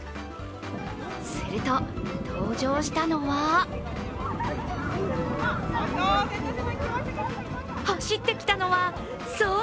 すると、登場したのは走ってきたのは、そう！